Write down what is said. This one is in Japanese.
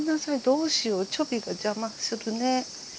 どうしようチョビが邪魔するね。